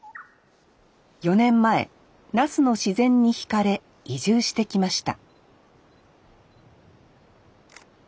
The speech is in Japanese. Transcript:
４年前那須の自然にひかれ移住してきました